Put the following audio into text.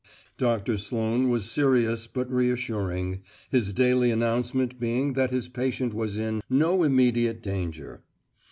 Doctor Sloane was serious but reassuring, his daily announcement being that his patient was in "no immediate danger."